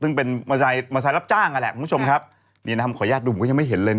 ซึ่งเป็นมาสายรับจ้างนี่ขออนุญาตดูผมก็ยังไม่เห็นเลย